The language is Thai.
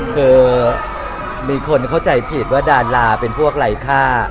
คือมีคนเข้าใจผิดว่าดาราเป็นพวกไร้ค่า